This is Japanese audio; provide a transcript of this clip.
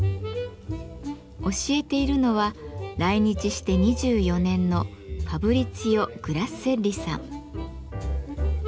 教えているのは来日して２４年のファブリツィオ・グラッセッリさん。